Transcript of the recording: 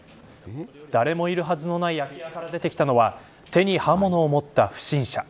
誰もいるはずのない空き家から出てきたのは手に刃物を持った不審者。